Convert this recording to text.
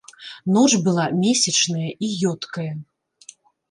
Ноч была месячная і ёдкая.